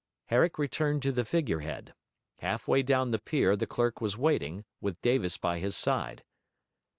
Herrick returned to the figure head. Half way down the pier the clerk was waiting, with Davis by his side.